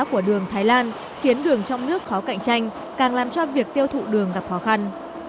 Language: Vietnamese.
của đường thái lan khiến đường trong nước khó cạnh tranh càng làm cho việc tiêu thụ đường gặp khó khăn